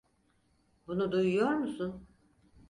Bunu duyuyor musun?